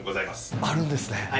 あるんですね。